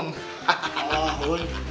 selamat ulang tahun